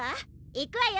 いくわよ！